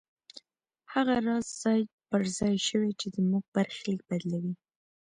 هغه راز ځای پر ځای شوی چې زموږ برخليک بدلوي.